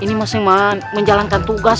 ini masing masing menjalankan tugas